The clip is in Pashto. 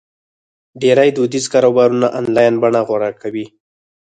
ډېری دودیز کاروبارونه آنلاین بڼه غوره کوي.